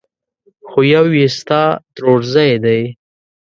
خو يو يې ستا ترورزی دی!